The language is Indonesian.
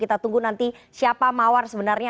kita tunggu nanti siapa mawar sebenarnya